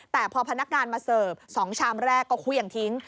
แต่พอพนักงานมาเสิร์ฟ๒ชามแรกก็เครื่องทิ้ง